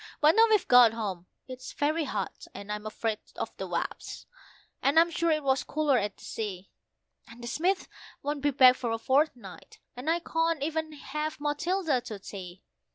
But now we've got home, it's very hot, and I'm afraid of the wasps; and I'm sure it was cooler at the sea, And the Smiths won't be back for a fortnight, so I can't even have Matilda to tea.